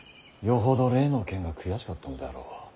よほど例の件が悔しかったのであろう。